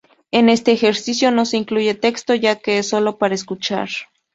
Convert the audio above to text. En este ejercicio no se incluye texto ya que es sólo para escuchar.